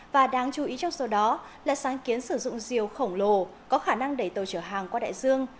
và đáng chú ý trong số đó là sáng kiến sử dụng diều khổng lồ có khả năng đẩy tàu chở hàng qua đại dương